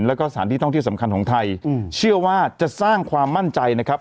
แล้วก็สถานที่ท่องเที่ยวสำคัญของไทยเชื่อว่าจะสร้างความมั่นใจนะครับ